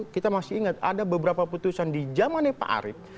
kita masih ingat ada beberapa keputusan di jaman nih pak arief